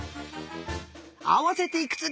あわせていくつ？